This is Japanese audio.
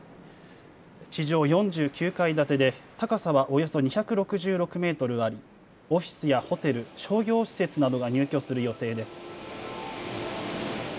地上４９階建てで高さはおよそ２６６メートルありオフィスやホテル、商業施設などが入居する予定です。